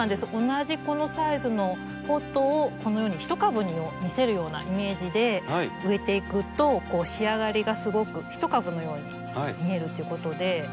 同じこのサイズのポットをこのように１株に見せるようなイメージで植えていくと仕上がりがすごく１株のように見えるということで。